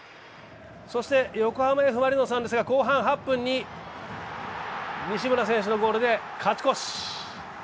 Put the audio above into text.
横浜Ｆ・マリノスなんですが後半８分に西村選手のゴールで勝ち越し。